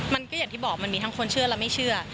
อย่างที่บอกมันมีทั้งคนเชื่อและไม่เชื่อ